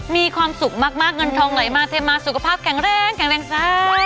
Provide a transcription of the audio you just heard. มีความสุขมากเงินทองไหลมาเทมาสุขภาพแข็งแรงแข็งแรงจ้า